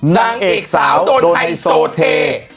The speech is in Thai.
นางเอกสาวโดนไฮโซเท